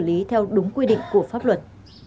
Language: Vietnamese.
sử lý theo đúng quy định của pháp luật